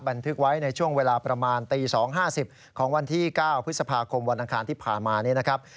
บันทึกไว้ในช่วงเวลาประมาณตี๒๕๐ของวันที่๙พฤษภาคมวันอังคารที่ผ่านมานี้นะครับ